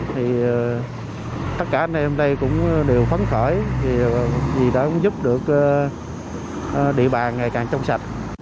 thì tất cả anh em đây cũng đều phấn khởi vì đã giúp được địa bàn ngày càng trong sạch